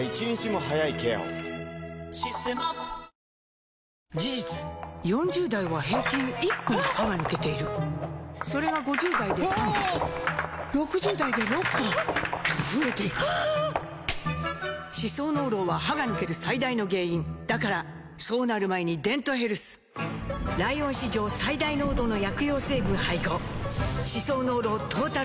「システマ」事実４０代は平均１本歯が抜けているそれが５０代で３本６０代で６本と増えていく歯槽膿漏は歯が抜ける最大の原因だからそうなる前に「デントヘルス」ライオン史上最大濃度の薬用成分配合歯槽膿漏トータルケア！